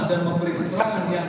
dan memberi perangannya